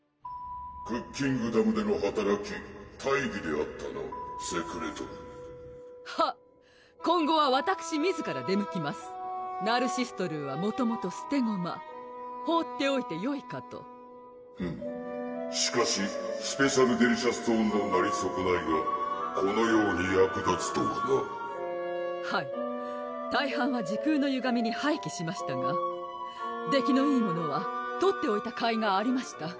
クッキングダムでのはたらき大儀であったなセクレトルーはっ今後はわたくしみずから出向きますナルシストルーはもともとすて駒放っておいてよいかとふむしかしスペシャルデリシャストーンのなりそこないがこのように役立つとはなはい大半は時空のゆがみに廃棄しましたが出来のいいものは取っておいたかいがありました